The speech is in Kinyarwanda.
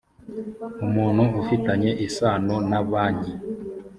umuntu ufitanye isano na banki